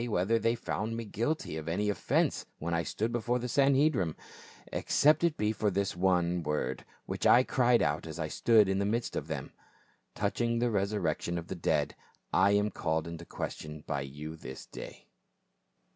whether they found me guilty of any offence when I stood before the Sanhedrim, except it be for this one word which I cried out as I stood in the midst of them : Touching the resurrection of the dead I am called in question by you this day